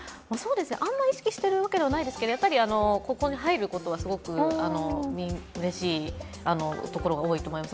あまり意識しているわけではないですが、ここに入ることはうれしいところが多いと思います。